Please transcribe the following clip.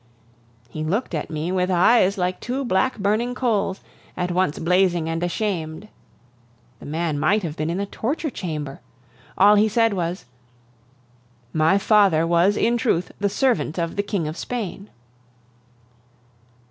He looked at me with eyes like two black burning coals, at once blazing and ashamed. The man might have been in the torture chamber. All he said was: "My father was in truth the servant of the King of Spain."